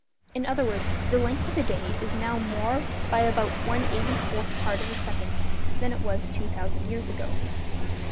In other words, the length of a day is now more by about one eighty fourth part of a second than it was two thousand years ago.